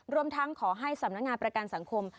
รวมทั้งขอให้สำนักงานประกันสังคม